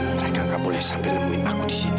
mereka gak boleh sampai nemuin aku di sini